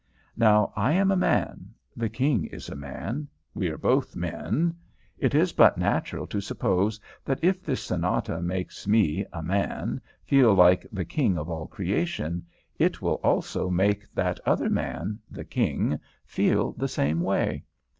Now I am a man; the King is a man; we are both men. It is but natural to suppose that if this Sonata makes me, a man, feel like the King of all creation, it will also make that other man, the King, feel the same way.